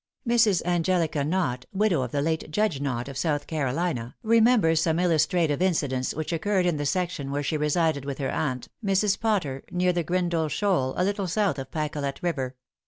Mrs. Angelica Nott, widow of the late Judge Nott, of South Carolina, remembers some illustrative incidents which occurred in the section where she resided with her aunt, Mrs. Potter, near the Grindal Shoal, a little south of Pacolet River.